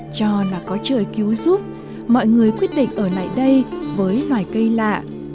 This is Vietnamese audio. cho là có trời cứu giúp mọi người quyết định ở lại đây với loài cây lạ